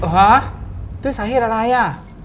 ฮะด้วยสาเหตุอะไรอ่ะ